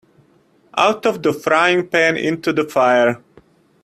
Out of the frying-pan into the fire.